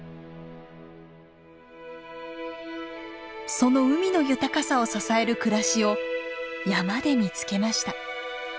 その海の豊かさを支える暮らしを山で見つけました。